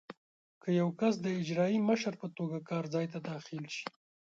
که یو کس د اجرایي مشر په توګه کار ځای ته داخل شي.